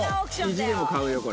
意地でも買うよ、これ。